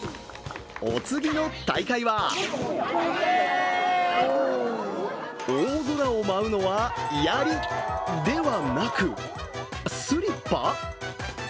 お次の大会は大空を舞うのは、やりではなく、スリッパ？！